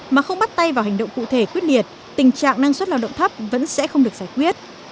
mà không bắt tay vào hành động cụ thể quyết liệt tình trạng năng suất lao động thấp vẫn sẽ không được giải quyết